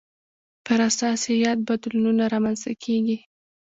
پر اساس یې یاد بدلونونه رامنځته کېږي.